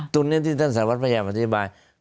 ตรงเนี้ยที่ต้นทรวจพระยามาตรีบาย